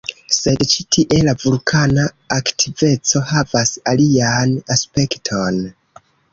Sed ĉi tie la vulkana aktiveco havas alian aspekton.